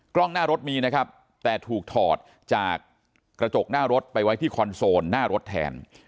กล้องหน้ารถมีนะครับแต่ถูกถอดจากกระจกหน้ารถไปไว้ที่คอนโซลหน้ารถแทน